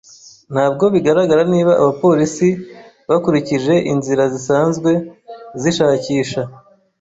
Ntabwo bigaragara niba abapolisi bakurikije inzira zisanzwe zishakisha.